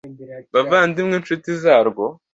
bavandimwe nshuti zarwo